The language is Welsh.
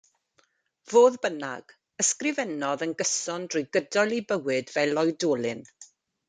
Fodd bynnag, ysgrifennodd yn gyson drwy gydol ei bywyd fel oedolyn.